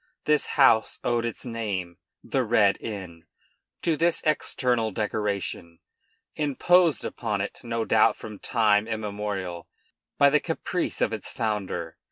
This house owed its name, the Red Inn, to this external decoration, imposed upon it, no doubt from time immemorial by the caprice of its founder.